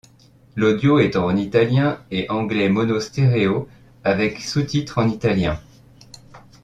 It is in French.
L'audio est en italien et anglais mono stéréo avec sous-titres en italien.